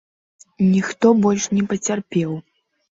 Ніхто больш не пацярпеў.